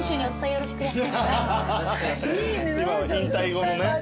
今は引退後のね。